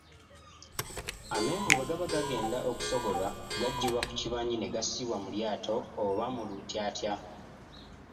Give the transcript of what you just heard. Amenvu bwe gaba gagenda okusogolwa, gaggyibwa ku kibanyi ne gassibwa mu lyato oba mu lutyatya.